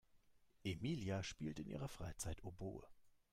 Emilia spielt in ihrer Freizeit Oboe.